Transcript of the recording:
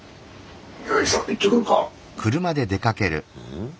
ん？